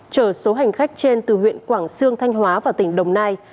trở số hành khách trên từ huyện quảng sương thanh hóa và tỉnh đồng nai